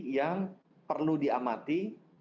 yang perlu diamati